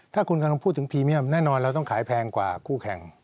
ถ้าคุณกำลังพูดถึงพรีเมียมแน่นอนเราต้องขายแพงกว่าคู่แข่ง